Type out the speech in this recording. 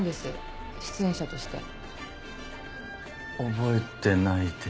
覚えてないです。